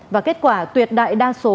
và kết quả tuyệt đại đa số